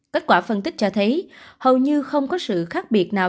kết quả phân tích cho thấy hầu như không có sự khác biệt nào